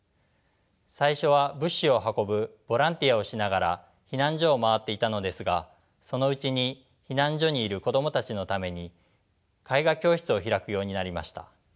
最初は物資を運ぶボランティアをしながら避難所を回っていたのですがそのうちに避難所にいる子供たちのために絵画教室を開くようになりました。